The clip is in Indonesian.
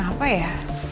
tadi kenapa ya